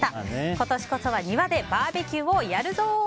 今年こそは庭でバーベキューをやるぞ！